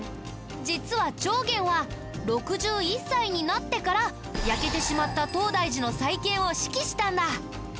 実は重源は６１歳になってから焼けてしまった東大寺の再建を指揮したんだ。